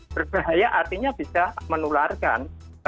berbahaya artinya bisa menularkan